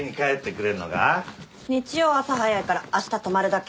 日曜朝早いからあした泊まるだけ。